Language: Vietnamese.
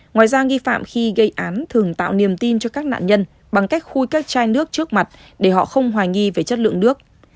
ngoài ra nghi phạm khi gây án thường tạo niềm tin cho các nạn nhân bằng cách khui các chai nước trước mặt để họ không hoài nghi về chất lượng nước